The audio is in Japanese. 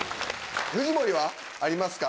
藤森は？ありますか？